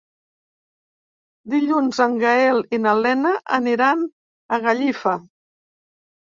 Dilluns en Gaël i na Lena aniran a Gallifa.